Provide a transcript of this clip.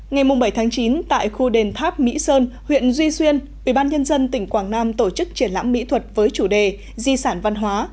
ngày bảy chín tại khu đền tháp mỹ sơn huyện duy xuyên ubnd tỉnh quảng nam tổ chức triển lãm mỹ thuật với chủ đề di sản văn hóa